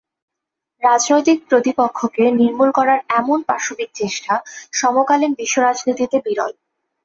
রাজনৈতিক প্রতিপক্ষকে নির্মূল করার এমন পাশবিক চেষ্টা সমকালীন বিশ্ব রাজনীতিতে বিরল।